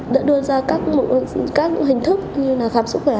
đã đưa ra các hình thức như là khám sức khỏe